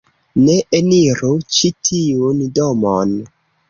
Ne eniru ĉi tiun domon...